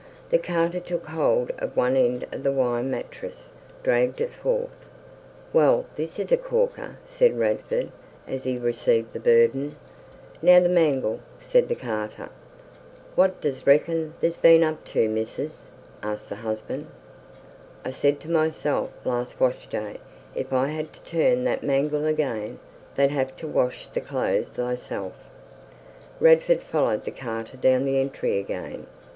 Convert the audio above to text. The carter took hold of one end of the wire mattress, dragged it forth. "Well, this is a corker!" said Radford, as he received the burden. "Now the mangle!" said the carter. "What dost reckon tha's been up to, missis?" asked the husband. "I said to myself last wash day, if I had to turn that mangle again, tha'd ha'e ter wash the clothes thyself." Radford followed the carter down the entry again.